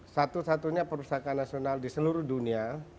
satu satunya perpustakaan nasional di seluruh dunia